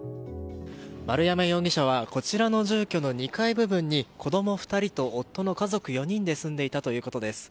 丸山容疑者はこちらの住居の２階部分に子供２人と夫の家族４人で住んでいたということです。